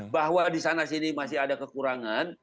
bahwa di sana sini masih ada kekurangan